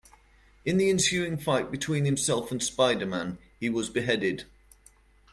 In the ensuing fight between himself and Spider-Man, he was beheaded.